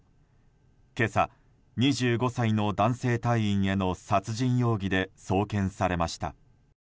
今朝、２５歳の男性隊員への殺人容疑で送検されました。